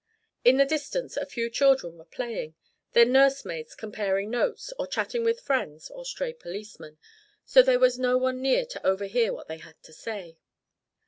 In the distance a few children were playing, their nursemaids comparing notes or chatting with friends or stray policemen, so there was no one near to overhear what they had to say.